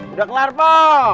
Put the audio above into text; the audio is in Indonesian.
udah kelar po